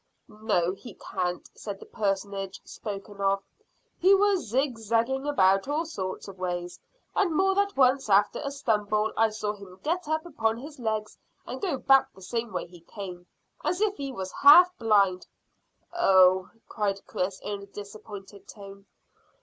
"No, he can't," said the personage spoken of. "He was zig zagging about all sorts of ways, and more than once after a stumble I saw him get upon his legs and go back the same way he came, as if he was half blind." "Oh!" cried Chris, in a disappointed tone.